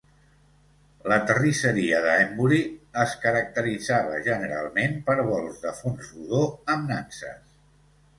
La terrisseria de Hembury es caracteritzava generalment per bols de fons rodó amb nanses.